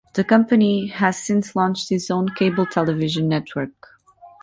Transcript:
The company has since launched its own cable-television network.